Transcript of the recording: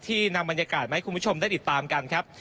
นำบรรยากาศมาให้คุณผู้ชมได้ติดตามกันครับ